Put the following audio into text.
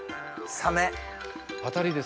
サメ？